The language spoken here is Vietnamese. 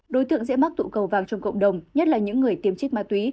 đối tượng dễ mắc tụ cầu vang trong cộng đồng nhất là những người tiêm chích ma túy